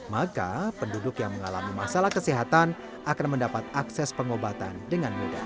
maka penduduk yang mengalami masalah kesehatan akan mendapat akses pengobatan dengan mudah